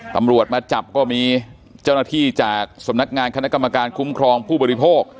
ตำรวจมาจับก็มีเจ้าหน้าที่จากสำนักงานคณะกรรมการคุ้มครองผู้บริโภค